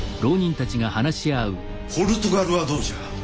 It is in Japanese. ポルトガルはどうじゃ。